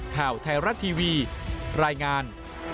ข่าวไทยรัฐทีวีรายงาน